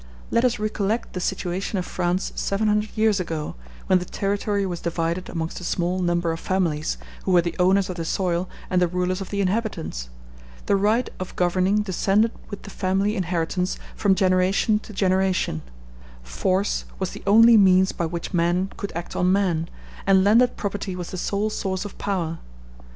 Let us recollect the situation of France seven hundred years ago, when the territory was divided amongst a small number of families, who were the owners of the soil and the rulers of the inhabitants; the right of governing descended with the family inheritance from generation to generation; force was the only means by which man could act on man, and landed property was the sole source of power.